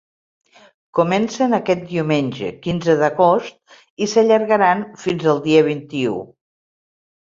Comencen aquest diumenge, quinze d’agost, i s’allargaran fins el dia vint-i-u.